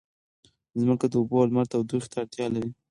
ځمکه د اوبو او لمر تودوخې ته اړتیا لري.